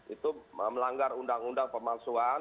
itu melanggar undang undang pemalsuan